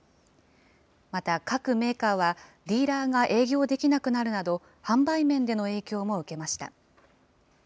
また各メーカーは、ディーラーが営業できなくなるなど、販売面での影響も受けました。